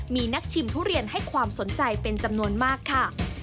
มีนักชิมทุเรียนให้ความสนใจเป็นจำนวนมากค่ะ